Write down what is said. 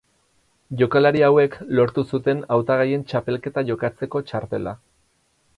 Jokalari hauek lortu zuten Hautagaien Txapelketa jokatzeko txartela.